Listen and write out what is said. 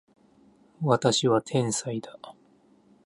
私は天才だ